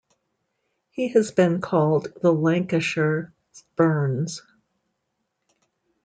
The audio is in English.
He has been called the Lancashire Burns.